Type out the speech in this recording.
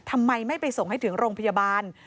ทำไมไม่ไปส่งให้ถึงโรงพยาบาล